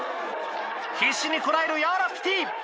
必死にこらえるヤワラピティ。